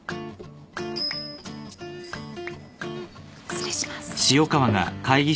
失礼します。